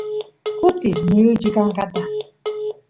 kutis muyuchi kankata